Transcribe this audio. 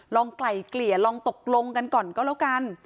ไกล่เกลี่ยลองตกลงกันก่อนก็แล้วกัน